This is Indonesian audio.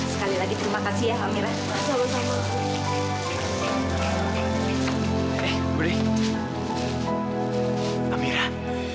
sekali lagi terima kasih ya amirah